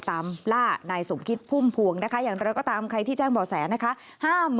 ตามล่านายสมคิดพุ่มพวงนะคะอย่างเราก็ตามใครที่แจ้งบ่อแสนะคะ